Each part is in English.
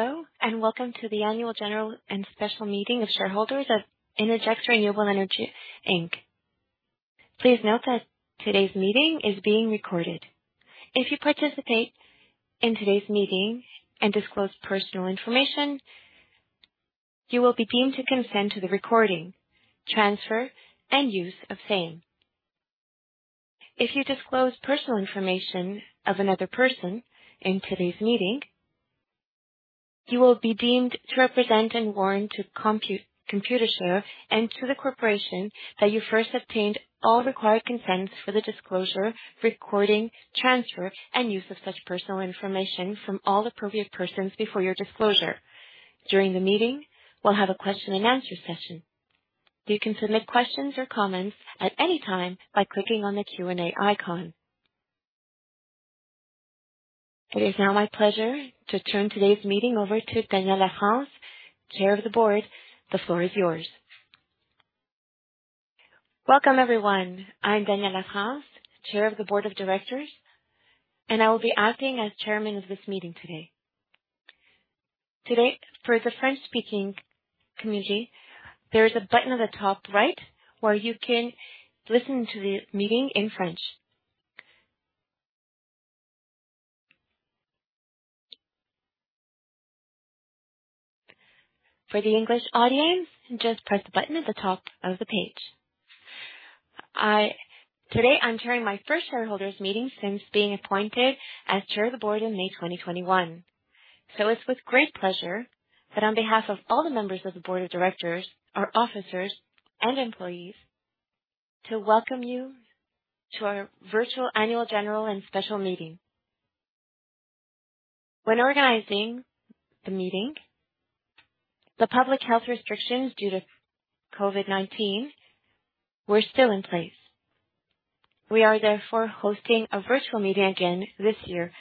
Hello, and welcome to the annual general and special meeting of shareholders of Innergex Renewable Energy Inc. Please note that today's meeting is being recorded. If you participate in today's meeting and disclose personal information, you will be deemed to consent to the recording, transfer, and use of same. If you disclose personal information of another person in today's meeting, you will be deemed to represent and warrant to Computershare and to the corporation that you first obtained all required consents for the disclosure, recording, transfer, and use of such personal information from all appropriate persons before your disclosure. During the meeting, we'll have a question and answer session. You can submit questions or comments at any time by clicking on the Q&A icon. It is now my pleasure to turn today's meeting over to Daniel Lafrance, Chair of the Board. The floor is yours. Welcome, everyone. I'm Daniel Lafrance, Chair of the Board of Directors, and I will be acting as chairman of this meeting today. Today, for the French-speaking community, there is a button at the top right where you can listen to the meeting in French. For the English audience, just press the button at the top of the page. Today I'm chairing my first shareholders' meeting since being appointed as Chair of the Board in May 2021. It's with great pleasure that on behalf of all the members of the Board of Directors, our officers, and employees, to welcome you to our virtual annual general and special meeting. When organizing the meeting, the public health restrictions due to COVID-19 were still in place. We are therefore hosting a virtual meeting again this year.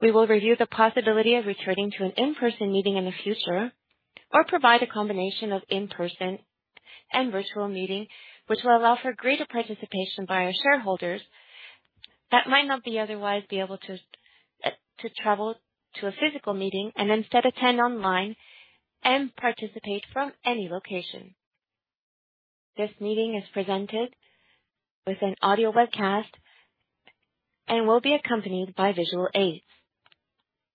We will review the possibility of returning to an in-person meeting in the future or provide a combination of in-person and virtual meeting, which will allow for greater participation by our shareholders that might not otherwise be able to to travel to a physical meeting and instead attend online and participate from any location. This meeting is presented with an audio webcast and will be accompanied by visual aids.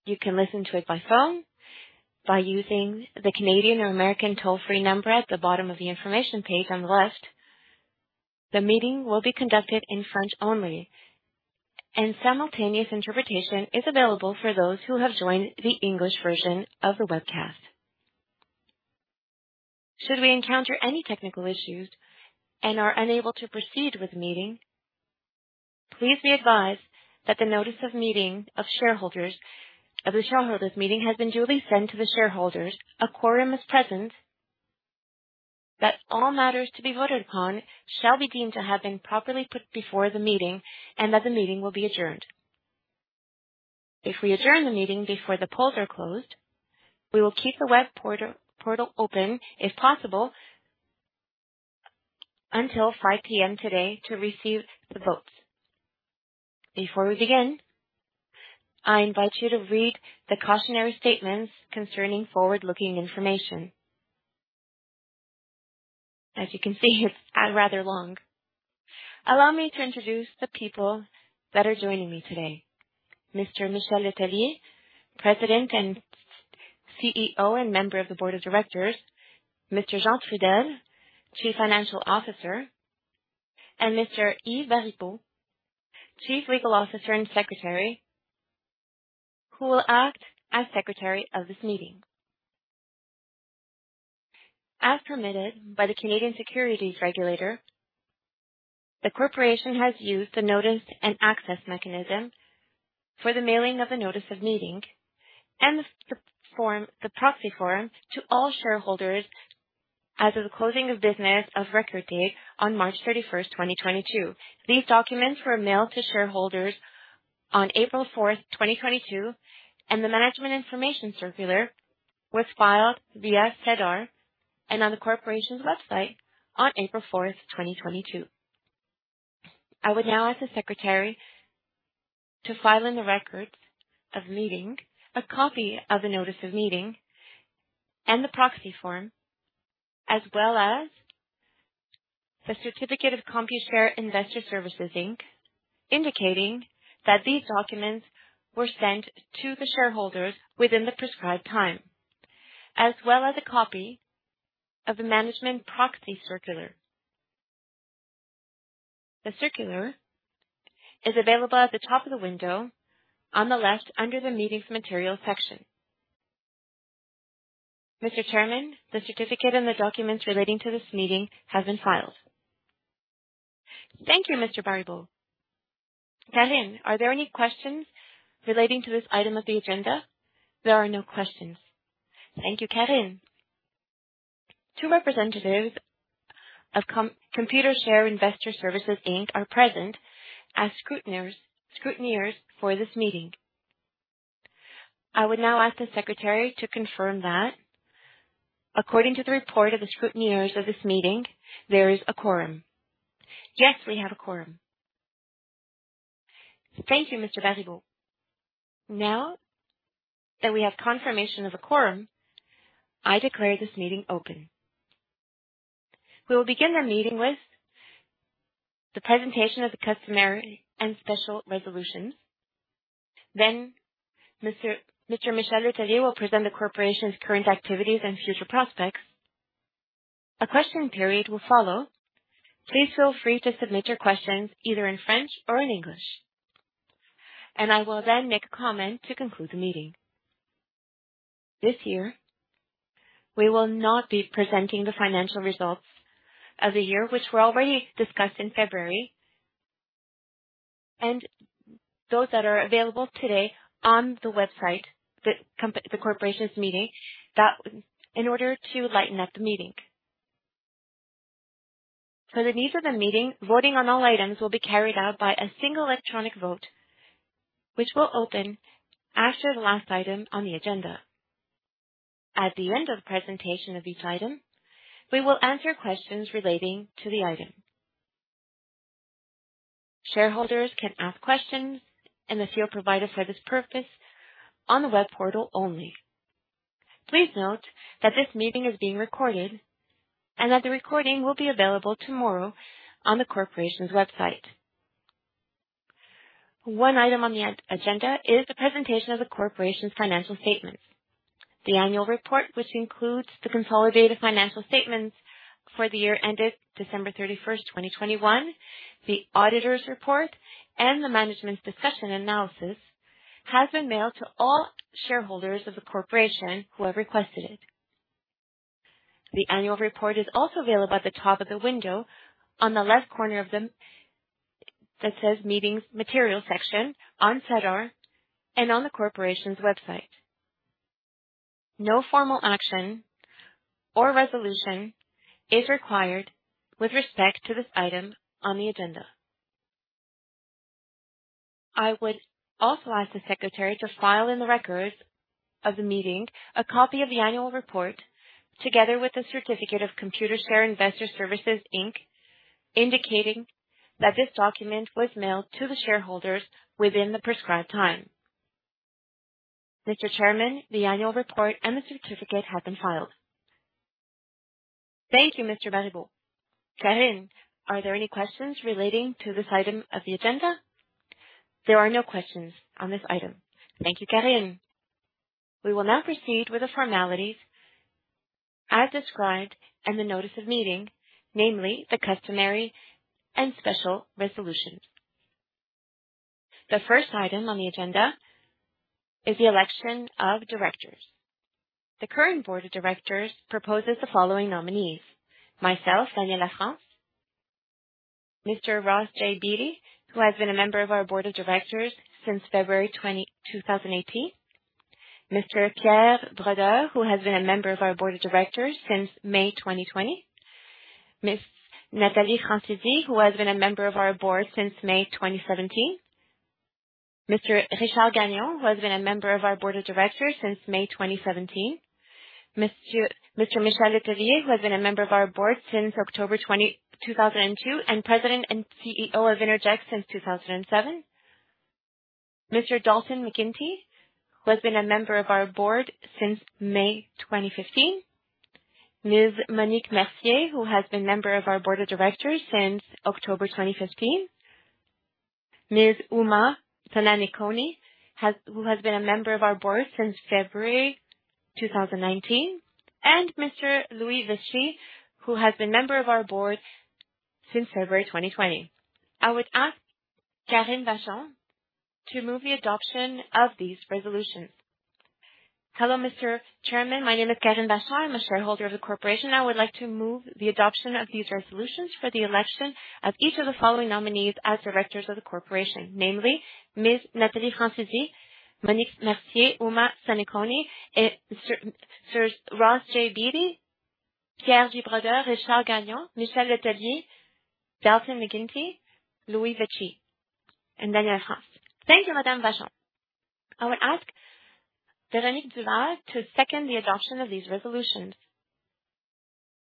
You can listen to it by phone by using the Canadian or American toll-free number at the bottom of the information page on the left. The meeting will be conducted in French only, and simultaneous interpretation is available for those who have joined the English version of the webcast. Should we encounter any technical issues and are unable to proceed with the meeting, please be advised that the notice of the shareholders meeting has been duly sent to the shareholders, a quorum is present, that all matters to be voted upon shall be deemed to have been properly put before the meeting, and that the meeting will be adjourned. If we adjourn the meeting before the polls are closed, we will keep the web portal open, if possible, until 5 P.M. today to receive the votes. Before we begin, I invite you to read the cautionary statements concerning forward-looking information. As you can see, it's rather long. Allow me to introduce the people that are joining me today. Mr. Michel Letellier, President and CEO and member of the board of directors, Mr. Jean Trudel, Chief Financial Officer, and Mr. Yves Baribeault, Chief Legal Officer and Secretary, who will act as secretary of this meeting. As permitted by the Canadian Securities Administrators, the corporation has used the notice and access mechanism for the mailing of the notice of meeting and the proxy form to all shareholders as of the close of business on the record date of March 31, 2022. These documents were mailed to shareholders on April 4, 2022, and the management information circular was filed via SEDAR and on the corporation's website on April 4, 2022. I would now ask the secretary to file in the records of the meeting a copy of the notice of meeting and the proxy form, as well as the certificate of Computershare Investor Services Inc., indicating that these documents were sent to the shareholders within the prescribed time, as well as a copy of the management information circular. The circular is available at the top of the window on the left under the Meeting Materials section. Mr. Chairman, the certificate and the documents relating to this meeting have been filed. Thank you, Mr. Baribeault. Karine, are there any questions relating to this item of the agenda? There are no questions. Thank you, Karine. Two representatives of Computershare Investor Services Inc. are present as scrutineers for this meeting. I would now ask the secretary to confirm that. According to the report of the scrutineers of this meeting, there is a quorum. Yes, we have a quorum. Thank you, Mr. Baribeault. Now that we have confirmation of a quorum, I declare this meeting open. We will begin our meeting with the presentation of the customary and special resolutions. Then Mr. Michel Letellier will present the corporation's current activities and future prospects. A question period will follow. Please feel free to submit your questions either in French or in English, and I will then make a comment to conclude the meeting. This year, we will not be presenting the financial results of the year, which were already discussed in February and those that are available today on the website, in order to lighten up the meeting. For the needs of the meeting, voting on all items will be carried out by a single electronic vote, which will open after the last item on the agenda. At the end of the presentation of each item, we will answer questions relating to the item. Shareholders can ask questions in the field provided for this purpose on the web portal only. Please note that this meeting is being recorded and that the recording will be available tomorrow on the corporation's website. One item on the agenda is the presentation of the corporation's financial statements. The annual report, which includes the consolidated financial statements for the year ended December 31, 2021. The auditor's report and the management's discussion and analysis has been mailed to all shareholders of the corporation who have requested it. The annual report is also available at the top of the window on the left corner that says Meetings Materials section on SEDAR and on the corporation's website. No formal action or resolution is required with respect to this item on the agenda. I would also ask the secretary to file in the records of the meeting a copy of the annual report together with a certificate of Computershare Investor Services Inc., indicating that this document was mailed to the shareholders within the prescribed time. Mr. Chairman, the annual report and the certificate have been filed. Thank you, Mr. Baribeault. Karine, are there any questions relating to this item of the agenda? There are no questions on this item. Thank you, Karine. We will now proceed with the formalities as described in the notice of meeting, namely the customary and special resolutions. The first item on the agenda is the election of directors. The current board of directors proposes the following nominees: myself, Daniel Lafrance; Mr. Ross J. Beaty, who has been a member of our board of directors since February 20, 2018; Mr. Pierre Brodeur, who has been a member of our board of directors since May 2020; Ms. Nathalie Francisci, who has been a member of our board since May 2017; Mr. Richard Gagnon, who has been a member of our board of directors since May 2017; Michel Letellier, who has been a member of our board since October 20, 2002, and president and CEO of Innergex since 2007. Mr. Dalton McGuinty, who has been a member of our board since May 20, 2015. Ms. Monique Mercier, who has been member of our board of directors since October 20, 2015. Ms. Ouma Sananikone, who has been a member of our board since February 2019. Mr. Louis Veci, who has been member of our board since February 2020. I would ask Karine Vachon to move the adoption of these resolutions. Hello, Mr. Chairman. My name is Karine Vachon. I'm a shareholder of the corporation. I would like to move the adoption of these resolutions for the election of each of the following nominees as directors of the corporation, namely Ms. Nathalie Francisci, Monique Mercier, Ouma Sananikone, and Ross J. Beaty, Pierre G. Brodeur, Richard Gagnon, Michel Letellier, Dalton McGuinty, Louis Veci, and Daniel Lafrance. Thank you, Madame Vachon. I would ask Véronique Duval to second the adoption of these resolutions.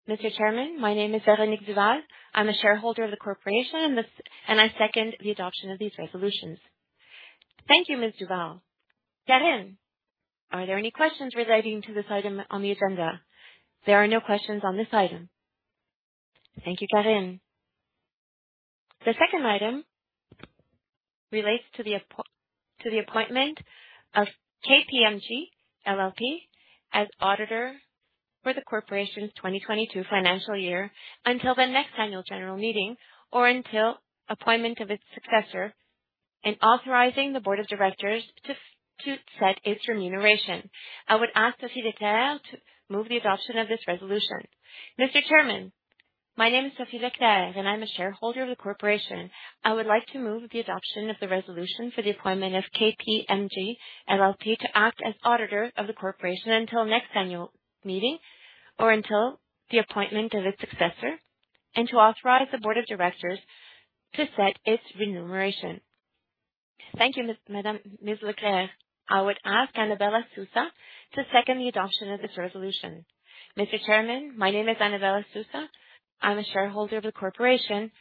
Mr. Chairman, my name is Véronique Duval. I'm a shareholder of the corporation, and I second the adoption of these resolutions. Thank you, Ms. Duval. Karine, are there any questions relating to this item on the agenda? There are no questions on this item. Thank you, Karine. The second item relates to the appointment of KPMG LLP as auditor for the corporation's 2022 financial year until the next annual general meeting or until appointment of its successor and authorizing the board of directors to set its remuneration. I would ask Sophie Leclerc to move the adoption of this resolution. Mr. Chairman, my name is Sophie Leclerc, and I'm a shareholder of the corporation. I would like to move the adoption of the resolution for the appointment of KPMG LLP to act as auditor of the corporation until next annual meeting or until the appointment of its successor, and to authorize the board of directors to set its remuneration. Thank you, Ms. Leclerc. I would ask Annabella Sousa to second the adoption of this resolution. Mr. Chairman, my name is Annabella Sousa. I'm a shareholder of the corporation,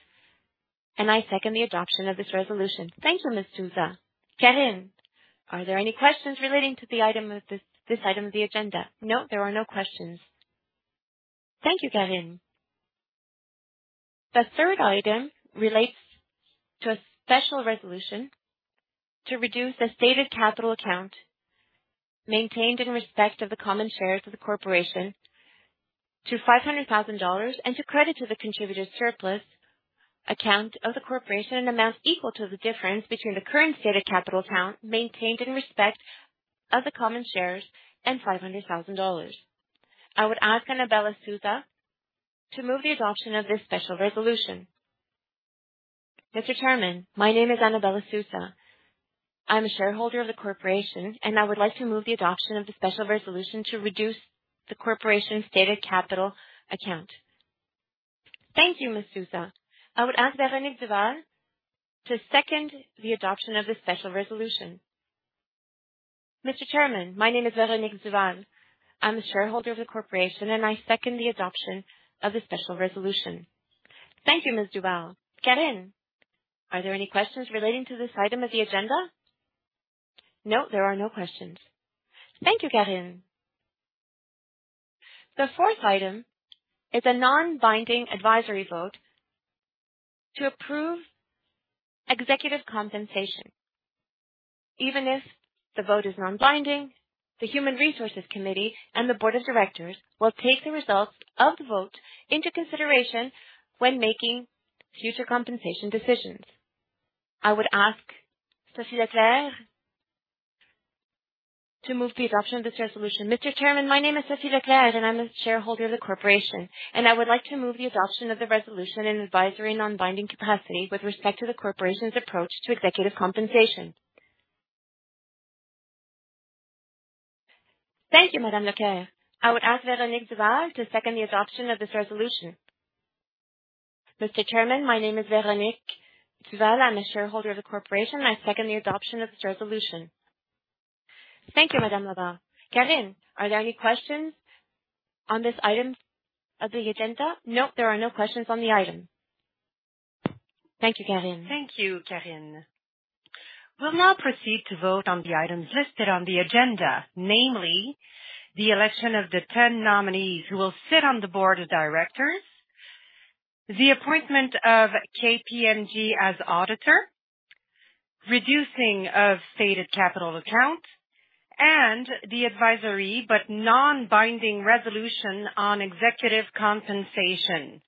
and I second the adoption of this resolution. Thank you, Ms. Sousa. Karine, are there any questions relating to the item of this item of the agenda? No, there are no questions. Thank you, Karine. The third item relates to a special resolution to reduce the stated capital account maintained in respect of the common shares of the corporation to 500,000 dollars and to credit to the contributed surplus account of the corporation, an amount equal to the difference between the current stated capital account maintained in respect of the common shares and 500,000 dollars. I would ask Annabella Sousa to move the adoption of this special resolution. Mr. Chairman, my name is Annabella Sousa. I'm a shareholder of the corporation, and I would like to move the adoption of the special resolution to reduce the corporation's stated capital account. Thank you, Ms. Sousa. I would ask Véronique Duval to second the adoption of the special resolution. Mr. Chairman, my name is Véronique Duval. I'm a shareholder of the corporation, and I second the adoption of the special resolution. Thank you, Ms. Duval. Karine, are there any questions relating to this item of the agenda? No, there are no questions. Thank you, Karine. The fourth item is a non-binding advisory vote to approve executive compensation. Even if the vote is non-binding, the Human Resources Committee and the board of directors will take the results of the vote into consideration when making future compensation decisions. I would ask Sophie Leclerc to move the adoption of this resolution. Mr. Chairman, my name is Sophie Leclerc, and I'm a shareholder of the corporation, and I would like to move the adoption of the resolution in an advisory non-binding capacity with respect to the corporation's approach to executive compensation. Thank you, Madame Leclerc. I would ask Véronique Duval to second the adoption of this resolution. Mr. Chairman, my name is Véronique Duval. I'm a shareholder of the corporation. I second the adoption of this resolution. Thank you, Madame Duval. Karine, are there any questions on this item of the agenda? Nope. There are no questions on the item. Thank you, Karine. Thank you, Karine. We'll now proceed to vote on the items listed on the agenda, namely the election of the 10 nominees who will sit on the board of directors, the appointment of KPMG as auditor, reducing of stated capital account, and the advisory but non-binding resolution on executive compensation.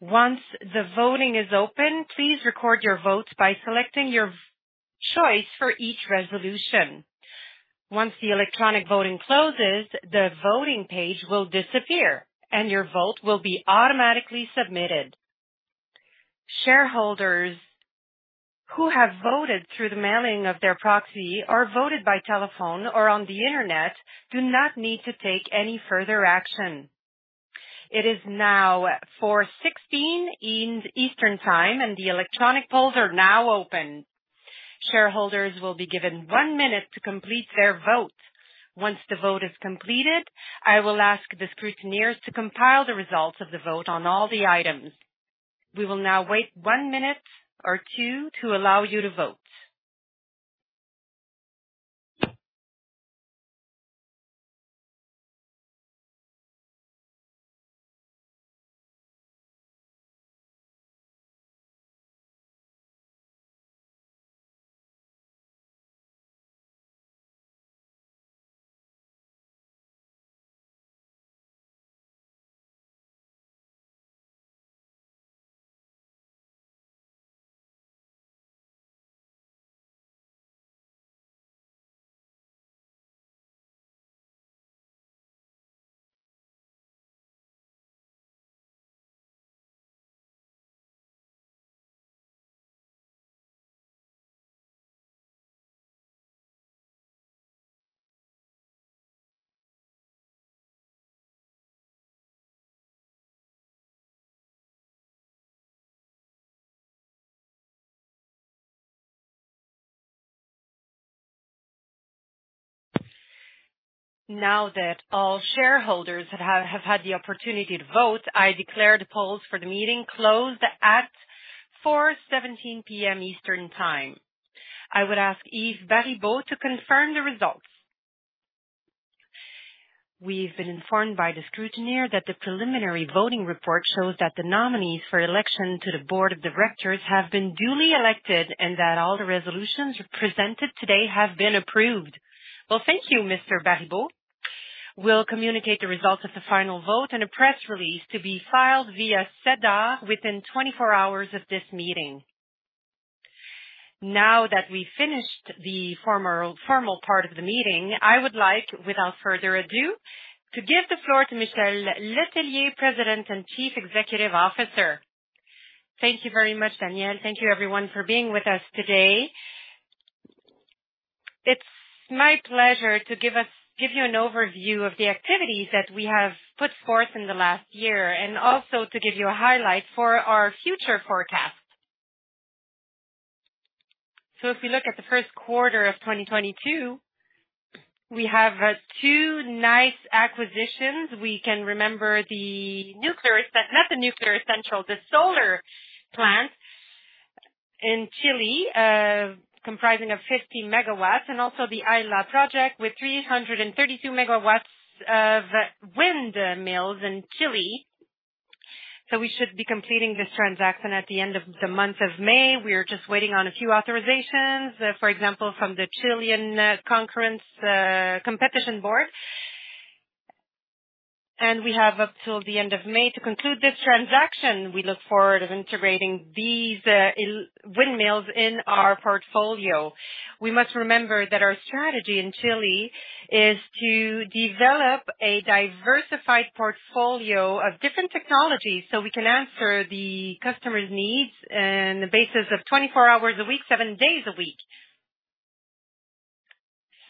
Once the voting is open, please record your votes by selecting your choice for each resolution. Once the electronic voting closes, the voting page will disappear, and your vote will be automatically submitted. Shareholders who have voted through the mailing of their proxy or voted by telephone or on the Internet do not need to take any further action. It is now 4:16 P.M. Eastern Time, and the electronic polls are now open. Shareholders will be given one minute to complete their vote. Once the vote is completed, I will ask the scrutineers to compile the results of the vote on all the items. We will now wait one minute or two to allow you to vote. Now that all shareholders have had the opportunity to vote, I declare the polls for the meeting closed at 4:17 P.M. Eastern Time. I would ask Yves Baribeault to confirm the results. We've been informed by the scrutineer that the preliminary voting report shows that the nominees for election to the board of directors have been duly elected and that all the resolutions presented today have been approved. Well, thank you, Mr. Baribeault. We'll communicate the results of the final vote in a press release to be filed via SEDAR within 24 hours of this meeting. Now that we've finished the formal part of the meeting, I would like, without further ado, to give the floor to Michel Letellier, President and Chief Executive Officer. Thank you very much, Daniel. Thank you everyone for being with us today. It's my pleasure to give you an overview of the activities that we have put forth in the last year, and also to give you a highlight for our future forecast. If you look at the first quarter of 2022, we have two nice acquisitions. The solar plant in Chile comprising 50 MW, and also the Aela project with 332 MW of windmills in Chile. We should be completing this transaction at the end of the month of May. We are just waiting on a few authorizations, for example, from the Chilean competition board. We have up till the end of May to conclude this transaction. We look forward to integrating these windmills in our portfolio. We must remember that our strategy in Chile is to develop a diversified portfolio of different technologies, so we can answer the customers' needs on the basis of 24 hours a day, seven days a week.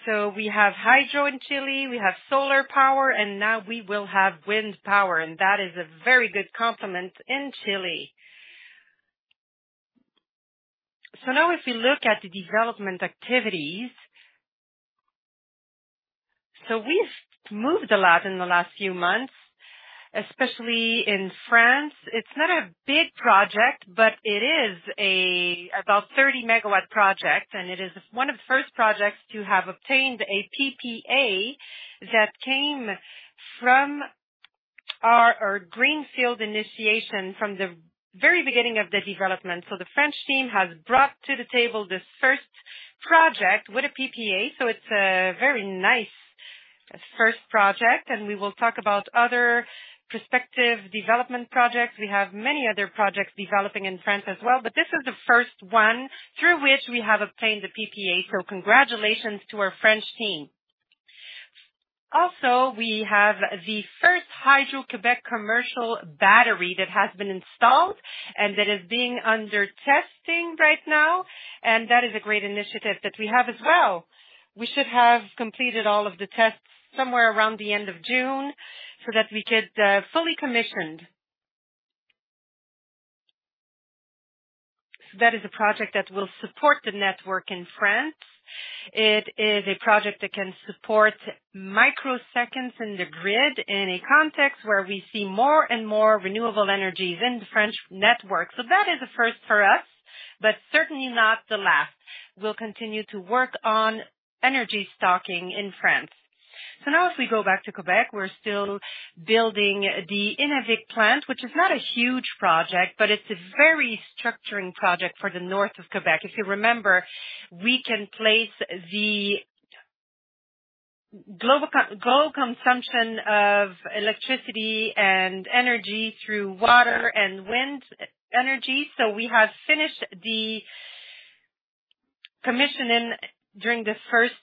We have hydro in Chile, we have solar power, and now we will have wind power. That is a very good complement in Chile. Now if you look at the development activities. We've moved a lot in the last few months, especially in France. It's not a big project, but it is about a 30 MW project, and it is one of the first projects to have obtained a PPA that came from our greenfield initiation from the very beginning of the development. The French team has brought to the table this first project with a PPA. It's a very nice first project, and we will talk about other prospective development projects. We have many other projects developing in France as well, but this is the first one through which we have obtained the PPA. Congratulations to our French team. Also, we have the first Hydro-Québec commercial battery that has been installed and that is being under testing right now, and that is a great initiative that we have as well. We should have completed all of the tests somewhere around the end of June so that we get fully commissioned. That is a project that will support the network in France. It is a project that can support microseconds in the grid in a context where we see more and more renewable energies in the French network. That is a first for us, but certainly not the last. We'll continue to work on energy storage in France. Now if we go back to Québec, we're still building the Innavik plant, which is not a huge project, but it's a very structuring project for the north of Québec. If you remember, we can replace the local consumption of electricity and energy through water and wind energy. We have finished the commissioning during the first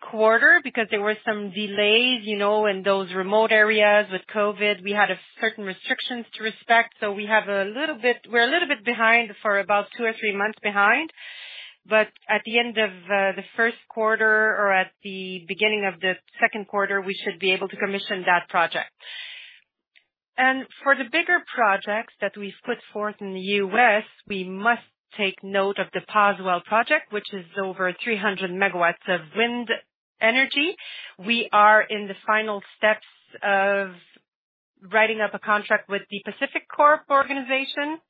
quarter because there were some delays in those remote areas with COVID. We had certain restrictions to respect, so we're a little bit behind for about two or three months. At the end of the first quarter or at the beginning of the second quarter, we should be able to commission that project. For the bigger projects that we've put forth in the U.S., we must take note of the Boswell project, which is over 300 MW of wind energy. We are in the final steps of writing up a contract with the PacifiCorp organization.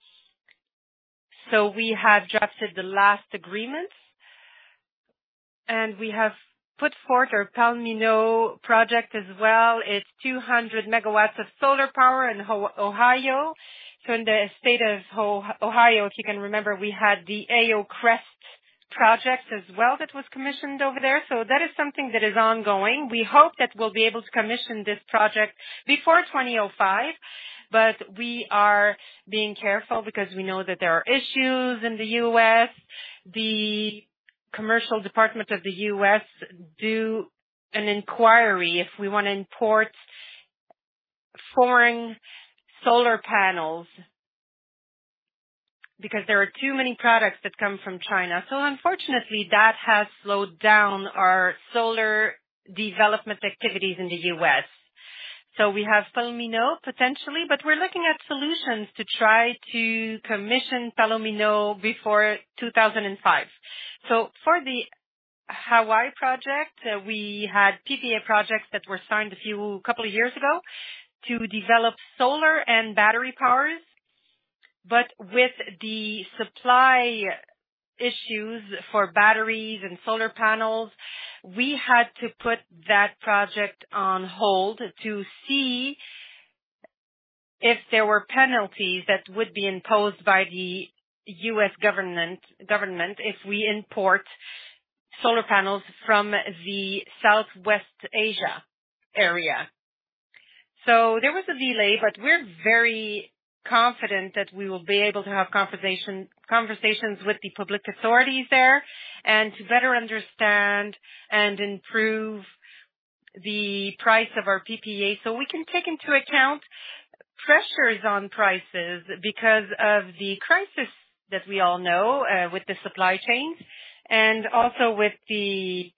We have drafted the last agreements, and we have put forth our Palomino project as well. It's 200 MW of solar power in Ohio. In the state of Ohio, if you can remember, we had the Hillcrest project as well that was commissioned over there. That is something that is ongoing. We hope that we'll be able to commission this project before 2025, but we are being careful because we know that there are issues in the U.S. The commercial department of the U.S. does an inquiry if we want to import foreign solar panels, because there are too many products that come from China. Unfortunately, that has slowed down our solar development activities in the U.S. We have Palomino, potentially, but we're looking at solutions to try to commission Palomino before 2025. For the Hawaii project, we had PPA projects that were signed a few couple of years ago to develop solar and battery powers. With the supply issues for batteries and solar panels, we had to put that project on hold to see if there were penalties that would be imposed by the U.S. government if we import solar panels from the Southeast Asia area. There was a delay, but we're very confident that we will be able to have conversations with the public authorities there and to better understand and improve the price of our PPA, so we can take into account pressures on prices because of the crisis that we all know, with the supply chains and also with the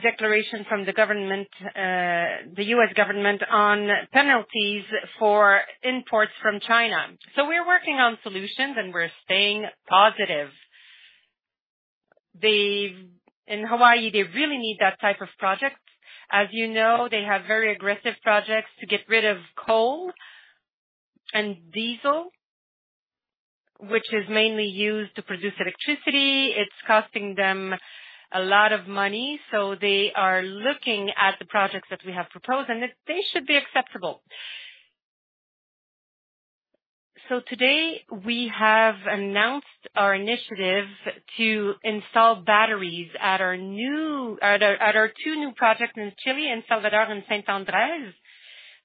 declaration from the government, the U.S. government on penalties for imports from China. We're working on solutions, and we're staying positive. In Hawaii, they really need that type of project. As you know, they have very aggressive projects to get rid of coal and diesel, which is mainly used to produce electricity. It's costing them a lot of money, so they are looking at the projects that we have proposed, and they should be acceptable. Today, we have announced our initiative to install batteries at our new At our two new projects in Chile, in Salvador and San Andrés.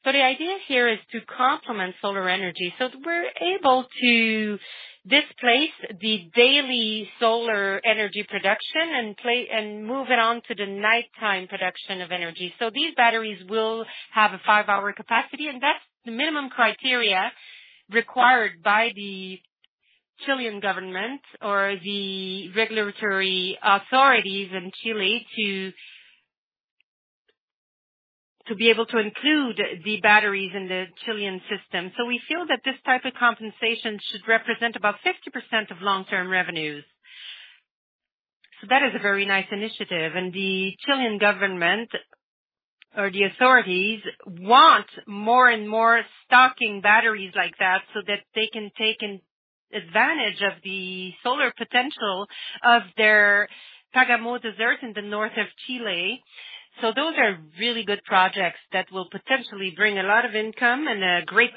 The idea here is to complement solar energy, so we're able to displace the daily solar energy production and move it on to the nighttime production of energy. These batteries will have a five-hour capacity, and that's the minimum criteria required by the Chilean government or the regulatory authorities in Chile to be able to include the batteries in the Chilean system. We feel that this type of compensation should represent about 50% of long-term revenues. That is a very nice initiative, and the Chilean government or the authorities want more and more storage batteries like that so that they can take advantage of the solar potential of their Atacama Desert in the north of Chile. Those are really good projects that will potentially bring a lot of income and a great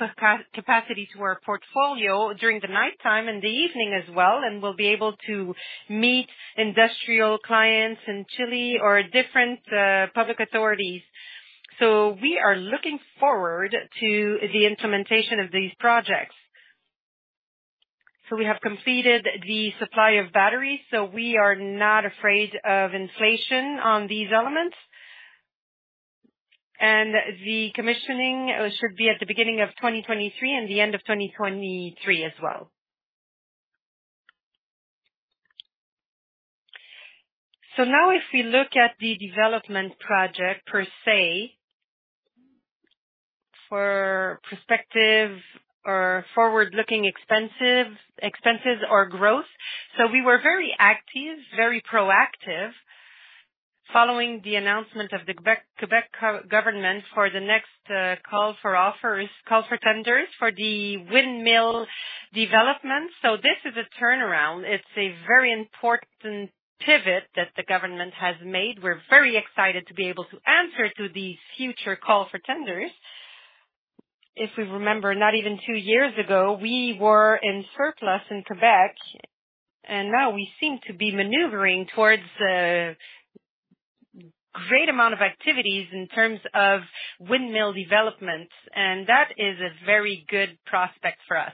capacity to our portfolio during the nighttime and the evening as well, and we'll be able to meet industrial clients in Chile or different public authorities. We are looking forward to the implementation of these projects. We have completed the supply of batteries, so we are not afraid of inflation on these elements. The commissioning should be at the beginning of 2023 and the end of 2023 as well. Now if we look at the development project per se, for prospective or forward-looking expenses or growth. We were very active, very proactive, following the announcement of the Quebec government for the next call for offers, call for tenders for the windmill development. This is a turnaround. It's a very important pivot that the government has made. We're very excited to be able to answer to the future call for tenders. If we remember, not even two years ago, we were in surplus in Quebec, and now we seem to be maneuvering towards a great amount of activities in terms of windmill development. That is a very good prospect for us.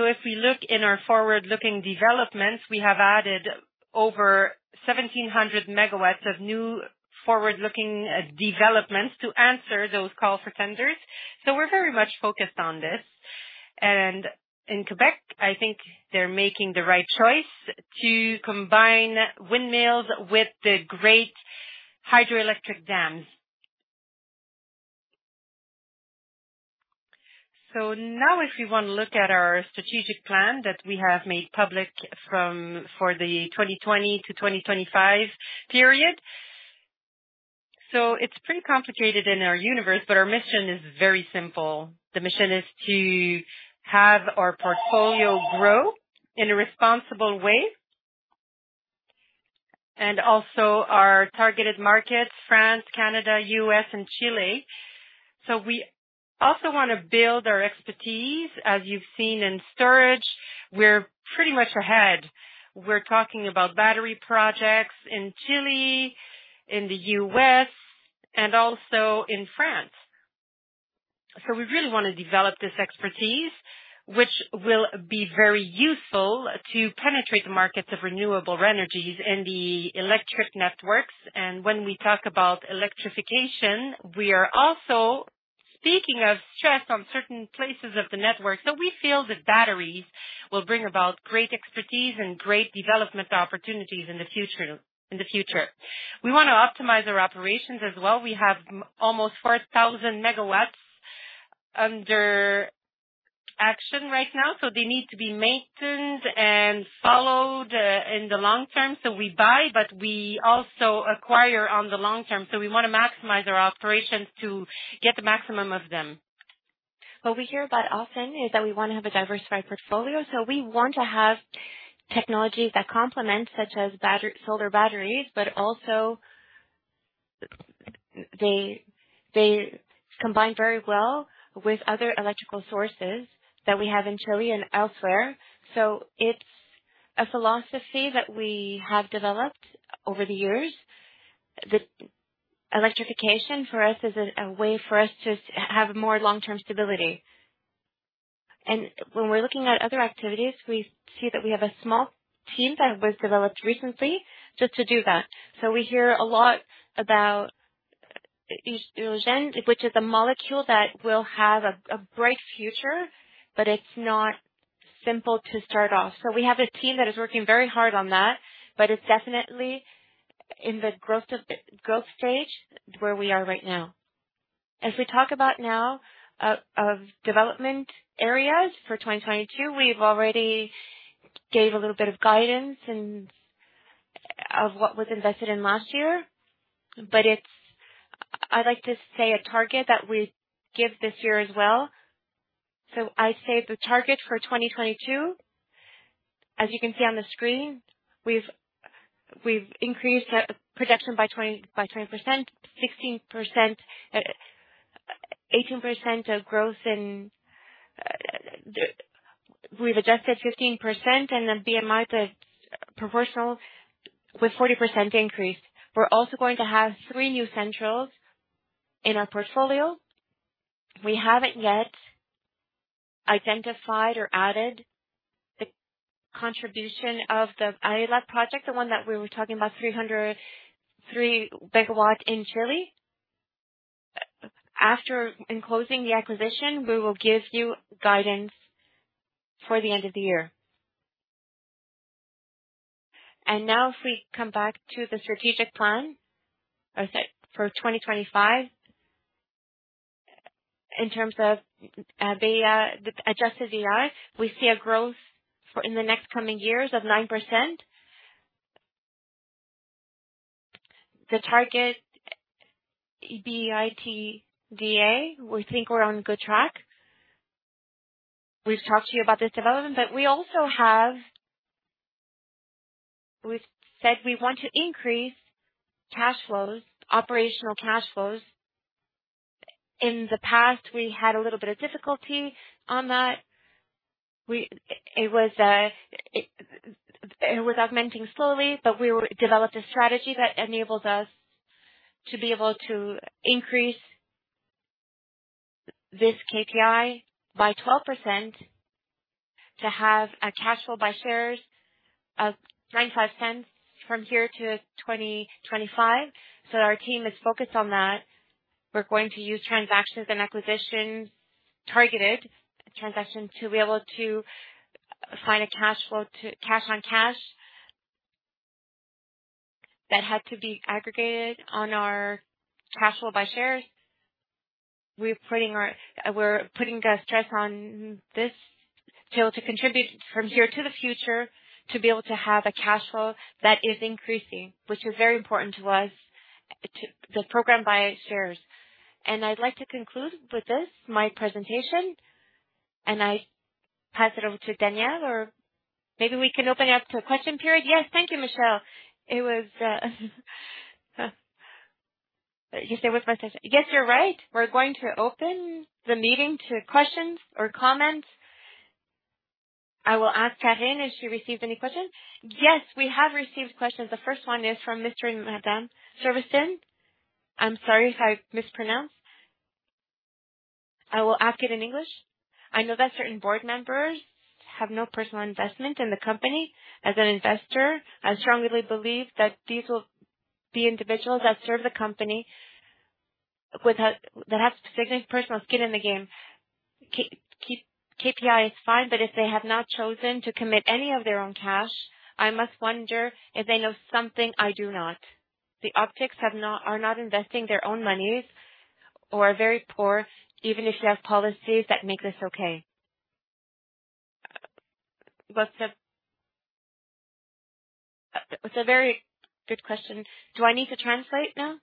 If we look in our forward-looking developments, we have added over 1,700 megawatts of new forward-looking developments to answer those calls for tenders. We're very much focused on this. In Quebec, I think they're making the right choice to combine windmills with the great hydroelectric dam. Now if you want to look at our strategic plan that we have made public for the 2020 to 2025 period. It's pretty complicated in our universe, but our mission is very simple. The mission is to have our portfolio grow in a responsible way. Our targeted markets, France, Canada, U.S. and Chile. We also want to build our expertise. As you've seen in storage, we're pretty much ahead. We're talking about battery projects in Chile, in the U.S., and also in France. We really want to develop this expertise, which will be very useful to penetrate the markets of renewable energies and the electric networks. When we talk about electrification, we are also speaking of stress on certain places of the network. We feel that batteries will bring about great expertise and great development opportunities in the future. We want to optimize our operations as well. We have almost 4,000 MW under action right now, so they need to be maintained and followed in the long term. We buy, but we also acquire on the long term. We want to maximize our operations to get the maximum of them. What we hear about often is that we want to have a diversified portfolio. We want to have technologies that complement, such as solar batteries, but also they combine very well with other electrical sources that we have in Chile and elsewhere. It's a philosophy that we have developed over the years. The electrification for us is a way for us to have more long-term stability. When we're looking at other activities, we see that we have a small team that was developed recently just to do that. We hear a lot about hydrogen, which is a molecule that will have a bright future, but it's not simple to start off. We have a team that is working very hard on that, but it's definitely in the growth stage where we are right now. As we talk about now of development areas for 2022, we've already gave a little bit of guidance and of what was invested in last year. I'd like to say a target that we give this year as well. I say the target for 2022, as you can see on the screen, we've increased our production by 20%, 16%, 18% growth. We've adjusted 15% and then EBITDA that's proportional with 40% increase. We're also going to have three new assets in our portfolio. We haven't yet identified or added the contribution of the Aela project, the one that we were talking about, 332 MW in Chile. After closing the acquisition, we will give you guidance for the end of the year. If we come back to the strategic plan, I said for 2025, in terms of the adjusted EBITDA, we see a growth for in the next coming years of 9%. The target EBITDA, we think we're on a good track. We've talked to you about this development, but we've also said we want to increase cash flows, operational cash flows. In the past, we had a little bit of difficulty on that. It was augmenting slowly, but we developed a strategy that enables us to be able to increase this KPI by 12% to have a cash flow per share of 0.95 from here to 2025. Our team is focused on that. We're going to use transactions and acquisitions, targeted transactions, to be able to find a cash flow to cash on cash that had to be accretive to our cash flow per share. We're putting the stress on this to contribute from here to the future, to be able to have a cash flow that is increasing, which is very important to us, to the program buy shares. I'd like to conclude with this my presentation, and I pass it over to Daniel, or maybe we can open it up to a question period. Yes, thank you, Michel. It was, you stay with us. Yes, you're right. We're going to open the meeting to questions or comments. I will ask Karine if she received any questions. Yes, we have received questions. The first one is from Mr. and Madam [audio deistortion]. I'm sorry if I mispronounced. I will ask it in English. I know that certain board members have no personal investment in the company. As an investor, I strongly believe that these will be individuals that serve the company that have significant personal skin in the game. Key KPI is fine, but if they have not chosen to commit any of their own cash, I must wonder if they know something I do not. The officers are not investing their own monies or are very poor, even if you have policies that make this okay. That's a very good question. Do I need to translate now?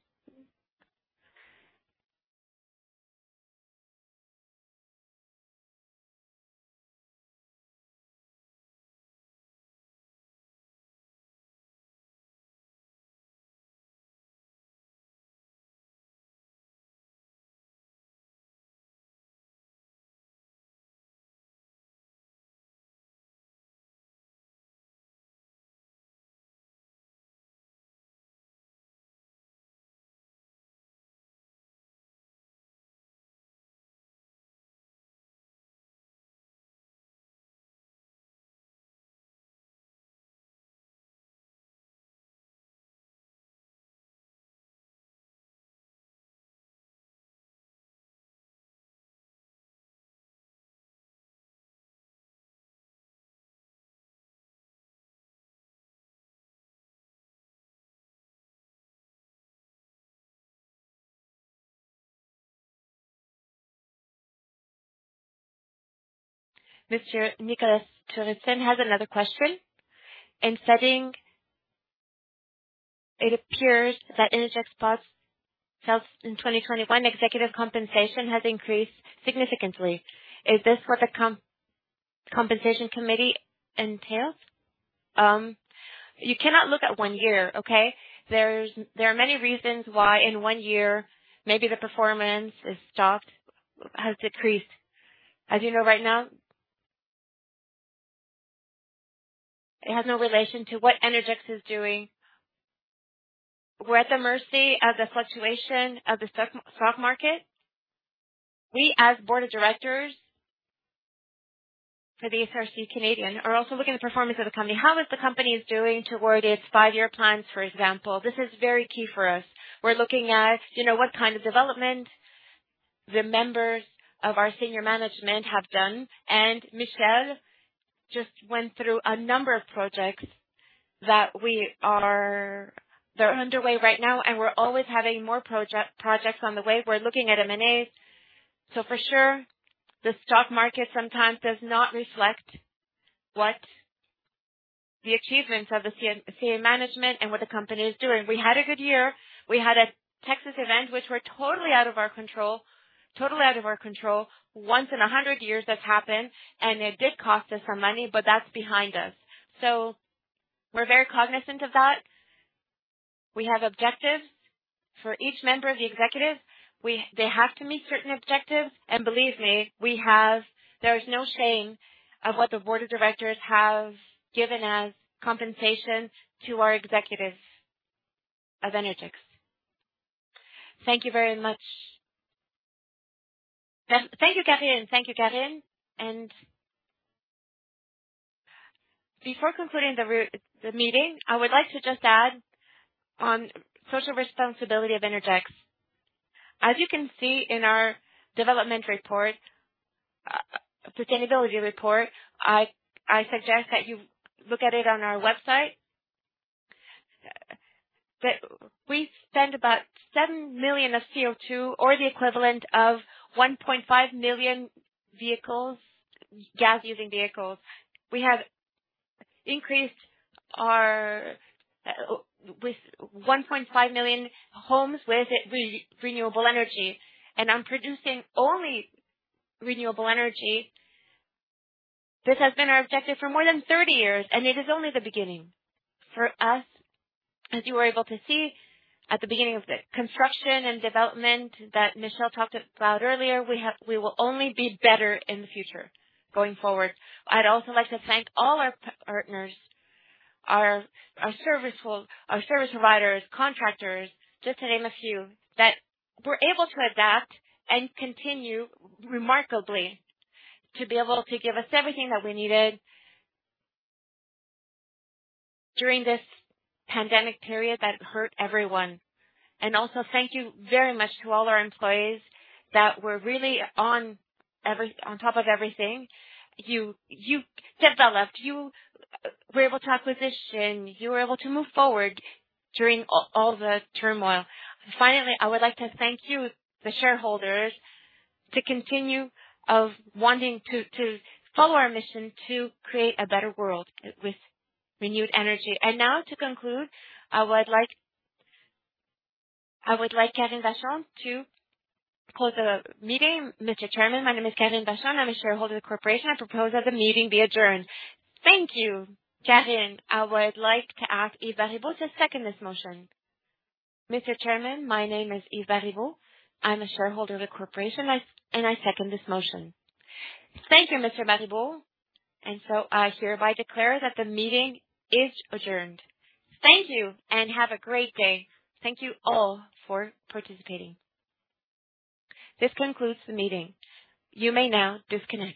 Mr. Nicholas Servisten has another question. In studying, it appears that in Innergex filings in 2021, executive compensation has increased significantly. Is this what the compensation committee entails? You cannot look at one year, okay? There are many reasons why in one year maybe the performance is stopped, has decreased. As you know, it has no relation to what Innergex is doing. We're at the mercy of the fluctuation of the stock market. We, as board of directors for the SRC Canadian, are also looking at the performance of the company. How is the company doing toward its five-year plans, for example. This is very key for us. We're looking at, you know, what kind of development the members of our senior management have done. Michel just went through a number of projects. They're underway right now, and we're always having more projects on the way. We're looking at M&As. For sure, the stock market sometimes does not reflect what the achievements of the C-suite management and what the company is doing. We had a good year. We had a Texas event which were totally out of our control. Once in 100 years, that's happened, and it did cost us some money, but that's behind us. We're very cognizant of that. We have objectives for each member of the executive. They have to meet certain objectives. Believe me, we have. There is no shame in what the board of directors have given as compensation to our executives of Innergex. Thank you very much. Thank you, Karine. Before concluding the meeting, I would like to just add on social responsibility of Innergex. As you can see in our development report, sustainability report, I suggest that you look at it on our website. We spend about seven million of CO2 or the equivalent of 1.5 million vehicles, gas-using vehicles. We have increased our with 1.5 million homes with renewable energy and on producing only renewable energy. This has been our objective for more than 30 years, and it is only the beginning for us. As you were able to see at the beginning of the construction and development that Michel talked about earlier, we will only be better in the future going forward. I'd also like to thank all our partners, our service providers, contractors, just to name a few, that were able to adapt and continue remarkably to be able to give us everything that we needed during this pandemic period that hurt everyone. Also thank you very much to all our employees that were really on top of everything. You developed. You were able to move forward during all the turmoil. Finally, I would like to thank you, the shareholders, for continuing to want to follow our mission to create a better world with renewable energy. Now to conclude, I would like Karine Vachon to close the meeting. Mr. Chairman, my name is Karine Vachon. I'm a shareholder of the corporation. I propose that the meeting be adjourned. Thank you, Karine. I would like to ask Yves Baribeault to second this motion. Mr. Chairman, my name is Yves Baribeault. I'm a shareholder of the corporation, and I second this motion. Thank you, Mr. Baribeault. I hereby declare that the meeting is adjourned. Thank you and have a great day. Thank you all for participating. This concludes the meeting. You may now disconnect.